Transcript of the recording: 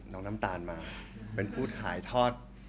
น้องน้ำตาลมาเป็นพูดหายทอด